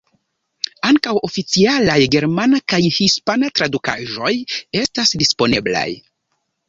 Ankaŭ oficialaj germana kaj hispana tradukaĵoj estas disponeblaj.